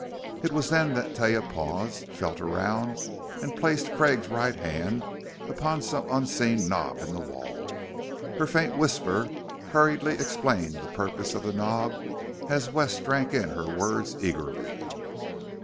It was then that Taia paused, felt around, and placed Craig's right hand upon some unseen knob in the wall. Her faint whisper hurriedly explained the purpose of the knob as Wes drank in her words eagerly.